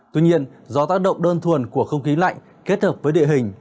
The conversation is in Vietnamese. tuy nhiên do tác động đơn thuần của không khí lạnh kết hợp với địa hình